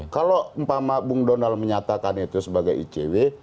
kalau bung donald menyatakan itu sebagai icw